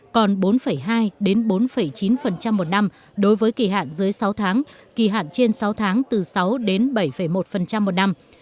còn bốn hai đến bốn chín một năm đối với kỳ hạn dưới sáu tháng kỳ hạn trên sáu tháng từ sáu đến bảy một một năm